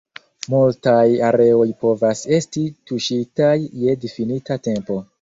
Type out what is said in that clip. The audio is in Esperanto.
Multaj areoj povas esti tuŝitaj je difinita tempo.